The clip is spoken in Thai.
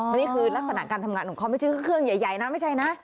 อันนี้คือลักษณะการทำงานของเขาไม่ใช่เครื่องใหญ่นะไม่ใช่นะ